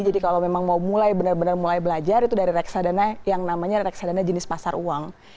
jadi kalau memang mau mulai benar benar mulai belajar itu dari reksadana yang namanya reksadana jenis pasar uang